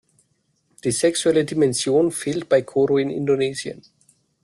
Die sexuelle Dimension fehlt bei Koro in Indonesien.